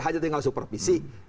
hanya tinggal supervisi